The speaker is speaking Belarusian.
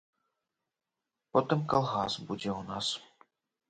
Потым калгас будзе ў нас.